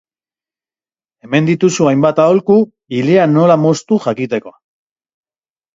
Hemen dituzu hainbat aholku, ilea nola moztu jakiteko.